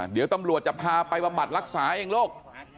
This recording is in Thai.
เดี๋ยวตำรวจจะพาไปบำบัดรักษาเองลูก